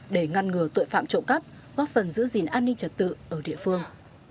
để ngăn ngừa tội phạm trộm cắp góp phần giữ gìn an ninh trật tự ở địa phương